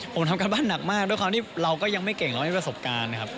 ผมทำการบ้านหนักมากด้วยความที่เราก็ยังไม่เก่งเรามีประสบการณ์นะครับ